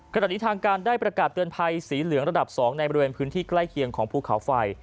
ขณะนี้ทางการได้ประกาศเตือนภัยสีเหลืองระดับ๒ในบริเวณพื้นที่ใกล้เคียงของภูเขาไฟ